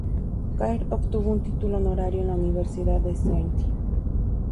Caird obtuvo un título honorario en la Universidad de St.